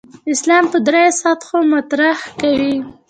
اسلام په درېو سطحو مطرح کوي.